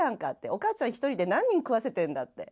お母ちゃん一人で何人食わせてるんだって。